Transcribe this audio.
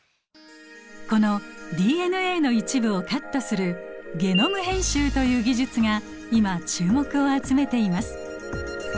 このＤＮＡの一部をカットするゲノム編集という技術が今注目を集めています。